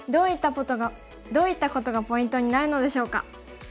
どういったことがポイントになるのでしょうか。